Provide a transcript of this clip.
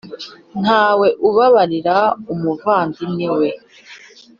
nta we ubabarira umuvandimwe we.